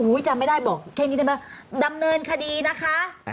จำไม่ได้บอกแค่นี้ได้ไหมดำเนินคดีนะคะ